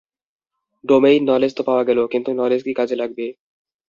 Domain knowledge তো পাওয়া গেল, কিন্তু নলেজ কি কাজে লাগবে?